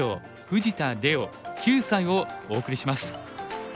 藤田怜央９歳」をお送りします。